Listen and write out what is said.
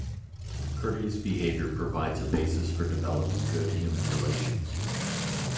Courteous behavior provides a basis for developing good human relations.